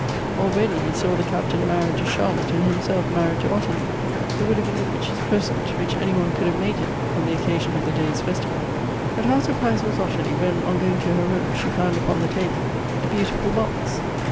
Already he saw the Captain married to Charlotte, and himself married to Ottilie. It would have been the richest present which any one could have made him, on the occasion of the day's festival ! But how surprised was Ottilie, when, on going to her room, she found upon the table the beautiful box!